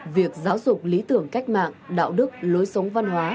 việc giáo dục lý tưởng cách mạng đạo đức lối sống văn hóa